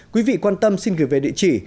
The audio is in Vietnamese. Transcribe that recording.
quý vị quan tâm xin gửi về địa chỉ